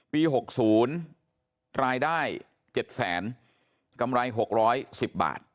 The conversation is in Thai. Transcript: ปี๖๐รายได้๗๐๐๐๐๐กำไร๖๑๐บาท